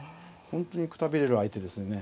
本当にくたびれる相手ですよね。